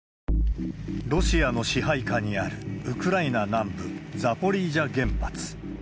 ロシアの支配下にあるウクライナ南部、ザポリージャ原発。